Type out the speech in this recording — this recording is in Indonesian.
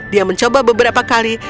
dia mencoba beberapa kali